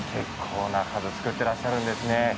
この中で作っていらっしゃるんですね。